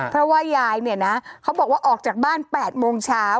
เพราะว่ายายเนี่ยนะเขาบอกว่าออกจากบ้าน๘โมงเช้า